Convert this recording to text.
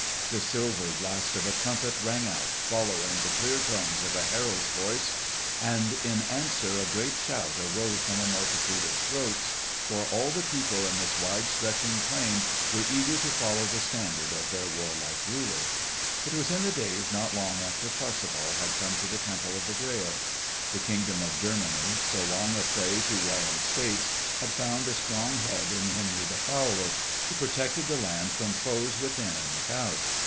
The silvery blast of a trumpet rang out, following the clear tones of a herald's voice; and in answer a great shout arose from a multitude of throats, for all the people in this wide stretching plain were eager to follow the standard of their warlike ruler. It was in the days not long after Parsifal had come to the Temple of the Grail. The kingdom of Germany, so long a prey to warring states, had found a strong head in Henry the Fowler who protected the land from foes within and without.